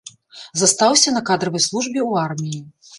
Застаўся на кадравай службе ў арміі.